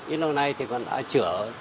ít lâu nay thì còn đã chữa